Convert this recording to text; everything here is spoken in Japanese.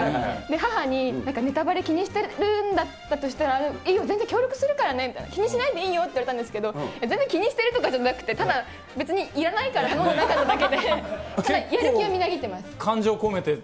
母になんか、ネタバレ気にしてるんだとしたら、いいよ、全然協力するからね、気にしないでいいよって言われたんですけれども、全然気にしてるとかじゃなくて、ただ、別にいらないからやらないだけで、やる気はみなぎっています。